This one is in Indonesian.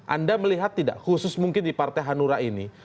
anda melihat tidak khusus mungkin di partai hanura ini